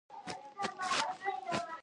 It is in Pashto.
د سید مشهور کتاب په مقدمه کې.